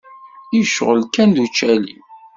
Yecɣel kan d ucali.